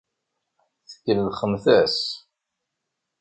Tkellxemt-as.